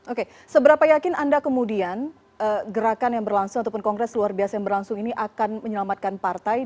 oke seberapa yakin anda kemudian gerakan yang berlangsung ataupun kongres luar biasa yang berlangsung ini akan menyelamatkan partai